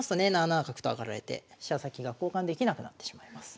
７七角と上がられて飛車先が交換できなくなってしまいます。